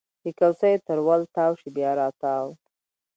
د کوڅېو تر ول تاو شي بیا راتاو